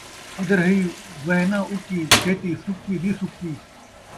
ادرھی وہے ناں اُکی، کھیتی سُکی دی سُکی